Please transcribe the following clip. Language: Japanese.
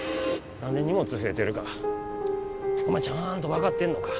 何で荷物増えてるかお前ちゃんと分かってんのか？